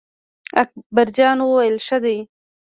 اکبر جان وویل: ښه دی.